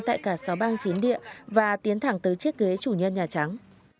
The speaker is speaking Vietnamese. tại cả sáu bang chiến địa và tiến thẳng tới chiếc ghế chủ nhân nhà trắng